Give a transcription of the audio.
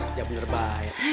gak bener bener baik